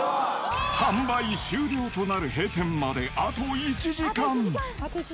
販売終了となる閉店まであと１時間。